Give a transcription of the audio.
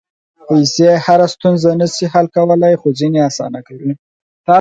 پېسې هره ستونزه نه شي حل کولی، خو ځینې اسانه کوي.